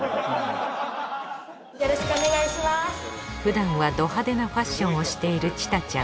普段はド派手なファッションをしているＣＨＩＴＡＡちゃん。